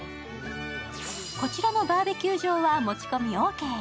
こちらのバーベキュー場は持ち込みオーケー。